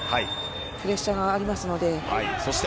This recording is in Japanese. プレッシャーがありますので。